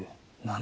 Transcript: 何？